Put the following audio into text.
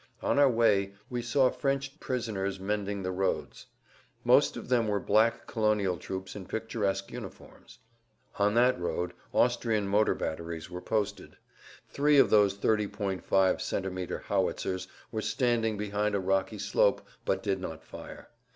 On our way we saw French prisoners mending the roads. Most of them were black colonial troops in picturesque uniforms. On that road Austrian motor batteries were posted. Three of those 30.5 cm. howitzers were standing behind a rocky slope, but did not fire.